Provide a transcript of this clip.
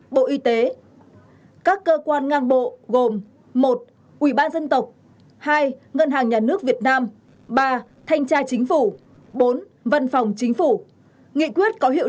một mươi sáu bộ khoa học và công nghệ